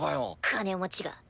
金持ちが。